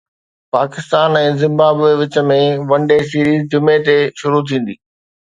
Pakistan ۽ Zimbabwe وچ ۾ one day series جمعي تي شروع ٿيندي